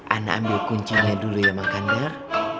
ana ambil kuncinya dulu ya mang kandar